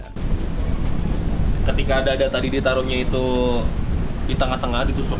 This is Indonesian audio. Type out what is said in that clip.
ketika dada tadi ditaruhnya itu di tengah tengah ditusuk